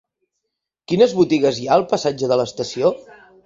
Quines botigues hi ha al passatge de l'Estació?